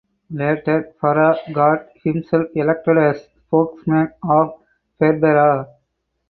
Later Farah got himself elected as spokesman of Berbera.